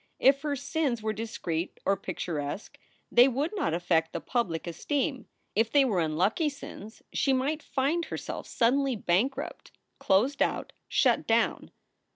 If her sins were discreet or picturesque they would not affect the public esteem. If they were unlucky sins, she might find herself suddenly bankrupt, closed out, shut down.